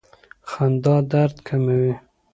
خندا درد کموي.